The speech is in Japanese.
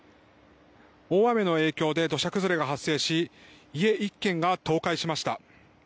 大雨の影響で土砂崩れが発生し家１軒が倒壊しました。